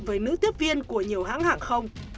với nữ tiếp viên của nhiều hãng hàng không